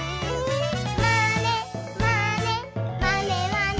「まねまねまねまね」